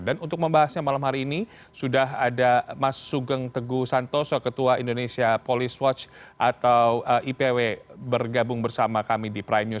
dan untuk membahasnya malam hari ini sudah ada mas sugeng teguh santoso ketua indonesia police watch atau ipw bergabung bersama kami di prime news